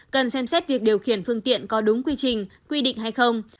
cần xem xét việc điều khiển phương tiện có đúng quy trình quy định hay không